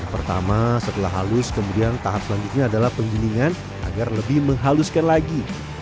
pertama setelah halus kemudian tahap selanjutnya adalah penggilingan agar lebih menghaluskan lagi